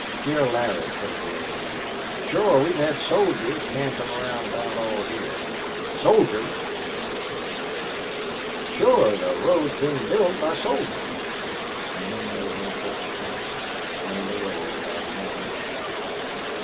Here Larry put a word in. "Shore. We've had soldiers campin' around aboot all heah." "Soldiers!" ejaculated one of the gang. "Shore, the road's bein' built by soldiers." The men made no further comment and turned away without any good bys.